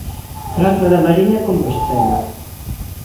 Praza da Mariña, Compostela.